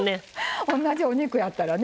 おんなじお肉やったらね